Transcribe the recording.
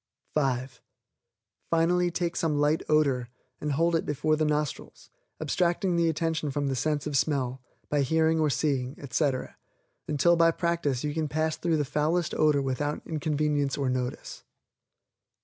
(5) Finally take some light odor, and hold it before the nostrils, abstracting the attention from the sense of smell, by hearing or seeing, etc., until by practice you can pass through the foulest odor without inconvenience or notice.